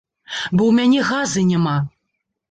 Бо ў мяне газы няма.